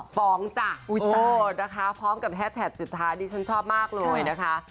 ฟ้องจ้ะนะคะพร้อมกับแฮสแท็กสุดท้ายดิฉันชอบมากเลยนะคะ